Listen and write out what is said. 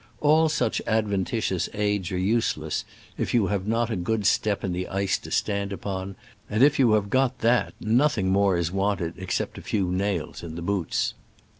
All such adventitious aids are useless if you have not a good step in the ice to stand upon, and if you have got that nothing more is wanted except a few nails in the boots.